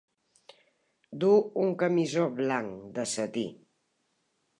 Du un camisó blanc, de setí.